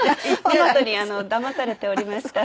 見事にだまされておりました。